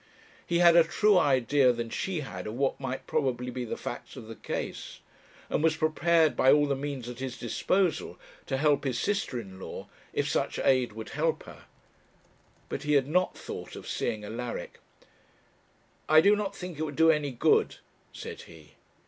He had a truer idea than she had of what might probably be the facts of the case, and was prepared, by all the means at his disposal, to help his sister in law, if such aid would help her. But he had not thought of seeing Alaric. 'I do not think it would do any good,' said he.